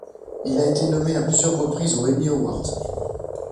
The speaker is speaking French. Il a été nommé à plusieurs reprises aux Emmy Awards.